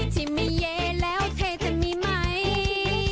ที่ไม่เย้แล้วเธอจะมีไหม